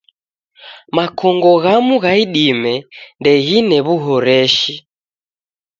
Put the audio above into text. Makongo ghamu gha idime ndeghine w'uhoreshi.